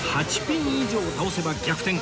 ８ピン以上倒せば逆転